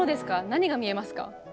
何が見えますか？